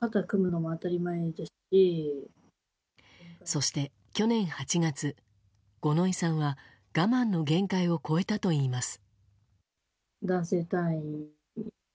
そして去年８月、五ノ井さんは我慢の限界を超えたといいます。